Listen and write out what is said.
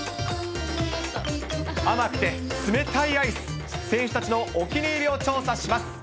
甘くて冷たいアイス、選手たちのお気に入りを調査します。